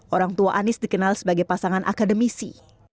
orang tua anis dikenal sebagai pasangan akademisi